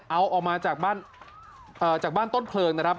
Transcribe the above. เอาออกมาจากบ้านจากบ้านต้นเพลิงนะครับ